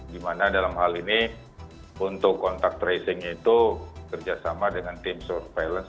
di mana dalam hal ini untuk kontak tracing itu kerjasama dengan tim surveillance